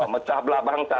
mecah belah bangsa